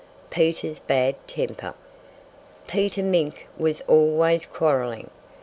PETER'S BAD TEMPER Peter Mink was always quarreling.